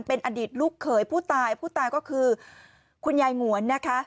เป็นอดีตลูกเขยผู้ตายผู้ตายก็คือคุณยายหงวนนะคะ